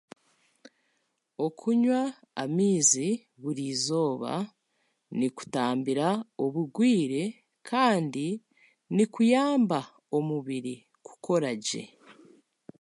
Okunywa amaizi burijooba nikutambira obugwire kandi nikuyamba omubiri kukora gye